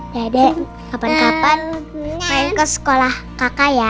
dede kapan kapan main ke sekolah kakak ya